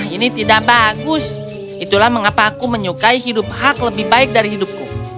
ini tidak bagus itulah mengapa aku menyukai hidup hak lebih baik dari hidupku